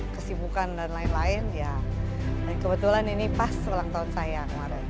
kesibukan dan lain lain ya dan kebetulan ini pas ulang tahun saya kemarin